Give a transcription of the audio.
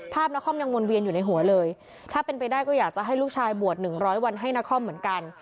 นครยังวนเวียนอยู่ในหัวเลยถ้าเป็นไปได้ก็อยากจะให้ลูกชายบวช๑๐๐วันให้นครเหมือนกัน